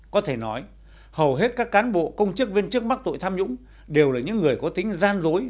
có thể nói hầu hết các cán bộ công chức viên chức mắc tội tham nhũng đều là những người có tính gian dối